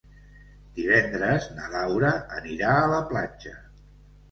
Divendres na Laura anirà a la platja.